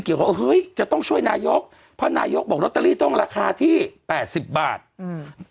เกี่ยวกับเฮ้ยจะต้องช่วยนายกเพราะนายกบอกลอตเตอรี่ต้องราคาที่๘๐บาท